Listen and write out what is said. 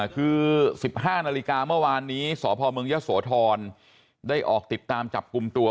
คือ๑๕นาฬิกาเมื่อวานนี้สพเมืองยะโสธรได้ออกติดตามจับกลุ่มตัว